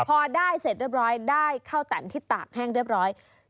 พอได้เสร็จเรียบร้อยได้ข้าวแต่นที่ตากแห้งเรียบร้อย